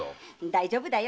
大丈夫だよ！